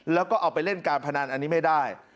แล้วก็เอาไปเล่นการพนันอันนี้ไม่ได้